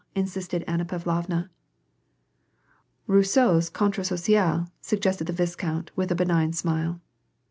" insisted Anna Pav lovna. " Rousseau's Contrat social" suggested the viscount, with a benignant smile.